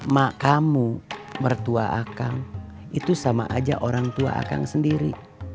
mak kamu mertua akang itu sama aja orang tua akang sendiri